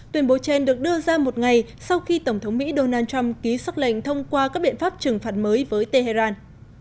tuyên bố trên được đưa ra một ngày sau khi tổng thống mỹ donald trump ký xác lệnh thông qua các biện pháp trừng phạt mới với tehran